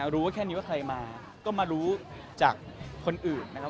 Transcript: ว่าแค่นี้ว่าใครมาก็มารู้จากคนอื่นนะครับ